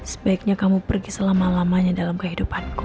sebaiknya kamu pergi selama lamanya dalam kehidupanku